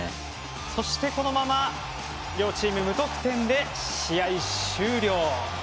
そして、このまま両チーム無得点で試合終了。